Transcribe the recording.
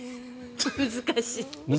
難しい。